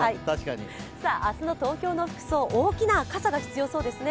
明日の東京の服装、大きな傘が必要そうですね。